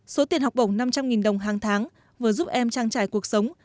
số tiền học bổng năm trăm linh đồng hàng tháng vừa giúp em trang trải cuộc sống